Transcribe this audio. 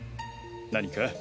何か？